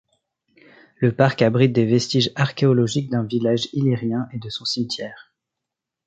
Le parc abrite des vestiges archéologiques d'un village illyrien et de son cimetière.